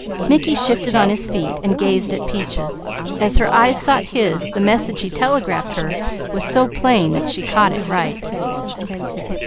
Mickey shifted on his feet and gazed at Peaches; as her eyes sought his, the message he telegraphed her was so plain that she caught it right.